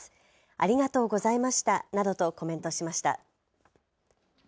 ありがとうございましたなどとコメントしました。